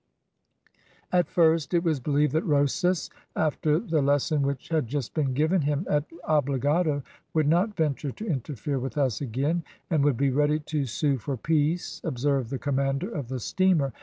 "At first it was believed that Rosas, after the lesson which had just been given him at Obligado, would not venture to interfere with us again, and would be ready to sue for peace," observed the commander of the steamer.